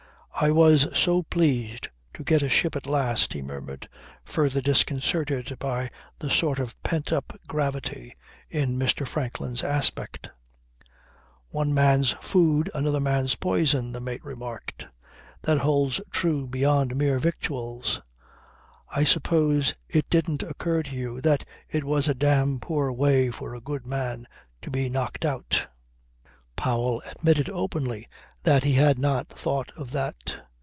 "I was so pleased to get a ship at last," he murmured, further disconcerted by the sort of pent up gravity in Mr. Franklin's aspect. "One man's food another man's poison," the mate remarked. "That holds true beyond mere victuals. I suppose it didn't occur to you that it was a dam' poor way for a good man to be knocked out." Mr. Powell admitted openly that he had not thought of that.